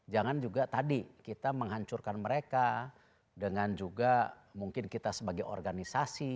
jangan juga tadi kita menghancurkan mereka dengan juga mungkin kita sebagai organisasi